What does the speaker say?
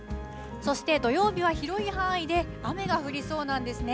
そして土曜日は広い範囲で雨が降りそうなんですね。